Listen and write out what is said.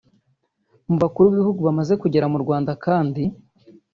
Mu bakuru b’ibihugu bamaze kugera mu Rwanda kandi